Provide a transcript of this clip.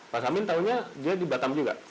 pak samin taunya dia di batam juga